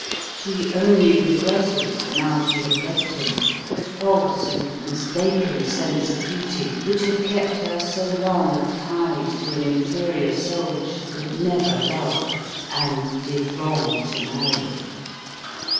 She only regretted, now she had left him, the false and mistaken sense of duty which had kept her so long tied to an inferior soul she could never love, and did wrong to marry.